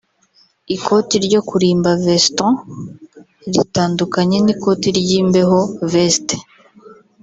Ikoti ryo kurimba (veston) ritandukanye n’ikoti ry’imbeho (veste)